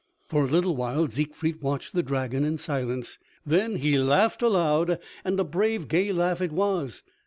For a little while Siegfried watched the dragon in silence. Then he laughed aloud, and a brave, gay laugh it was.